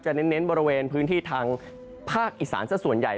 เน้นบริเวณพื้นที่ทางภาคอีสานสักส่วนใหญ่